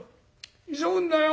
急ぐんだよ。